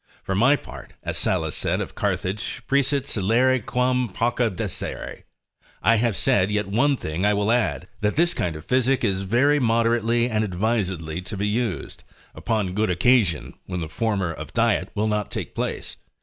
For my part, as Sallust said of Carthage, praestat silere, quam pauca dicere; I have said, yet one thing I will add, that this kind of physic is very moderately and advisedly to be used, upon good occasion, when the former of diet will not take place.